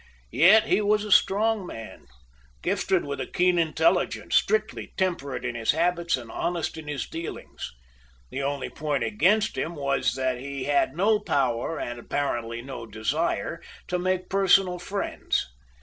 Yet he was a strong man, gifted with a keen intelligence, strictly temperate in his habits, and honest in his dealings. The only point against him was, that he had no power and apparently no desire to make personal friends.